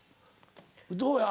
どうや？